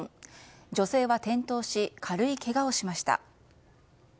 女性は転倒し軽いけがをしました。